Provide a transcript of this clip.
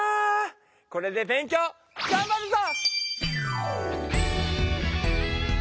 これで勉強がんばるぞ！